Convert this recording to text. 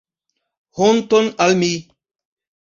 Honton al mi.